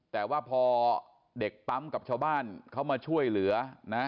แต่ว่าพอเด็กปั๊มกับชาวบ้านเขามาช่วยเหลือนะ